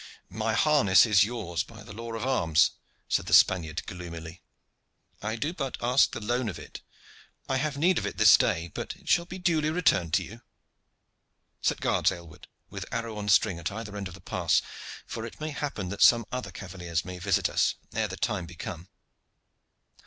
"My harness is yours by the law of arms," said the Spaniard, gloomily. "I do but ask the loan of it. I have need of it this day, but it shall be duly returned to you. Set guards, Aylward, with arrow on string, at either end of the pass; for it may happen that some other cavaliers may visit us ere the time be come."